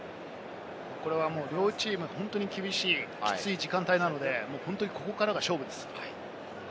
これは両チーム、厳しい、きつい時間帯なので、本当にここからが勝負です。